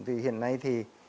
thì hiện nay thì